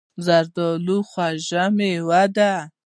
زردالو خوږه مېوه ده.